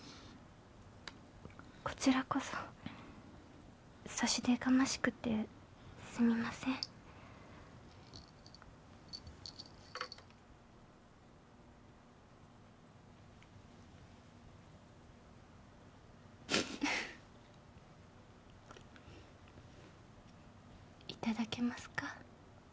こちらこそ差し出がましくてすみませんいただけますか？